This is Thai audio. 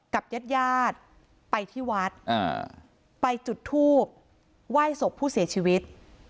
กับญาติญาติไปที่วัดไปจุดทูบไหว้ศพผู้เสียชีวิต